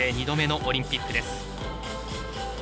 ２度目のオリンピックです。